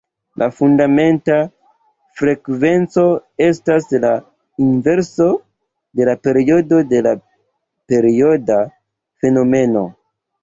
La fundamenta frekvenco estas la inverso de la periodo de la perioda fenomeno.